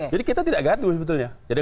jadi kita tidak gaduh sebetulnya